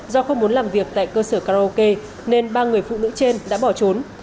do không muốn làm việc tại cơ sở karaoke nên ba người phụ nữ trên đã bỏ trốn